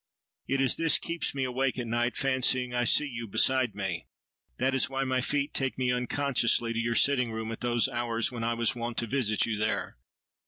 It is this keeps me awake at night fancying I see you beside me. That is why my feet take me unconsciously to your sitting room at those hours when I was wont to visit you there.